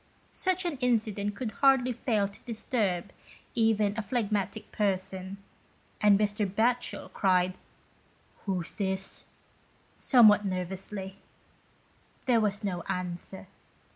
Such an incident could hardly fail to dis turb even a phlegmatic person, and Mr. Batchel cried "Who's this?" somewhat nervously. There was no answer.